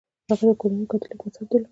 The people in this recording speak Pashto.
د هغه کورنۍ کاتولیک مذهب درلود.